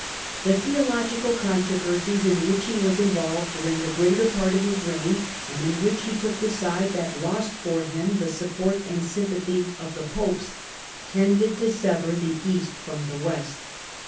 The theological controversies in which he was involved during the greater part of his reign, and in which he took the side that lost for him the support and sympathy of the Popes, tended to sever the East from the West.